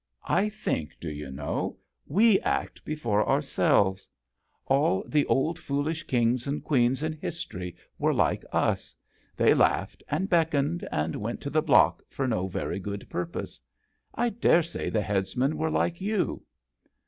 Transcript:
I think, do you know, we act before ourselves. All the old JOHN SHERMAN. 59 foolish kings and queens in his tory were like us. They laughed and beckoned and went to the block for no very good purpose. I dare say the headsmen were like you."